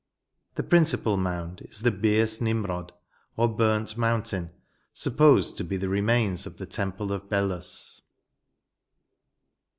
The principal mound is the Birs Nimrod or Burnt Mountain, supposed to be the remains of the temple of Belus.